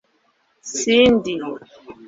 Cindy